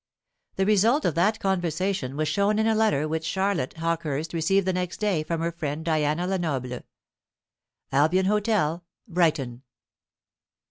The result of that conversation was shown in a letter which Charlotte Hawkehurst received the next day from her friend Diana Lenoble. "Albion Hotel, Brighton.